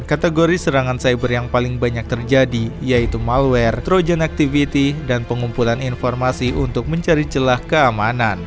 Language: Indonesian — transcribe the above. kategori serangan cyber yang paling banyak terjadi yaitu malware trogen activity dan pengumpulan informasi untuk mencari celah keamanan